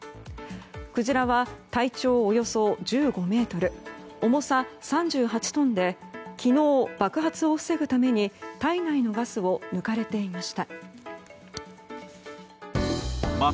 クジラは、体長およそ１５ｍ重さ３８トンで昨日、爆発を防ぐために体内のガスを抜かれていました。